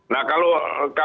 nah kalau terus diangkat